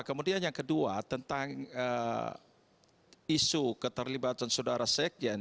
kemudian yang kedua tentang isu keterlibatan saudara sekjen